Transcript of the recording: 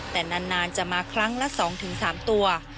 แต่นานจะมาครั้งละ๒๓ตัว